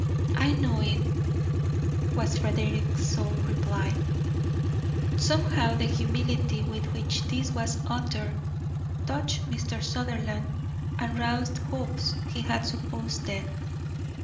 "I know it," was Frederick's sole reply. Somehow the humility with which this was uttered touched Mr. Sutherland and roused hopes he had supposed dead.